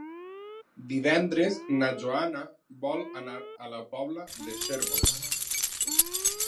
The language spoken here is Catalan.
Divendres na Joana vol anar a la Pobla de Cérvoles.